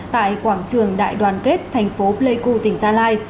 tại quảng trường đại đoàn kết thành phố pleiku tỉnh gia lai